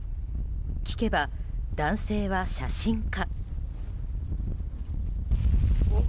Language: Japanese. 聞けば、男性は写真家。